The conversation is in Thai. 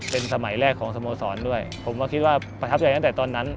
เป็นสมัยแรกของสโมสรด้วยผมก็คิดว่าประทับใจตั้งแต่ตอนนั้น